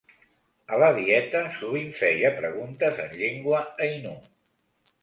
A la Dieta sovint feia preguntes en llengua ainu.